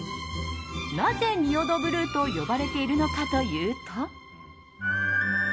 なぜ仁淀ブルーと呼ばれているのかというと。